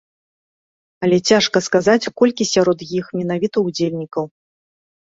Але цяжка сказаць, колькі сярод іх менавіта ўдзельнікаў.